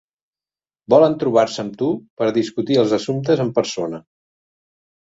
Volen trobar-se amb tu per discutir els assumptes en persona.